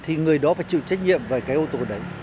thì người đó phải chịu trách nhiệm về cái ô tô đấy